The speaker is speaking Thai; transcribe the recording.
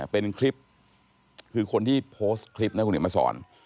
เป็นคลิปคือคนที่โพสต์คลิปนะคุณเห็นมาสอน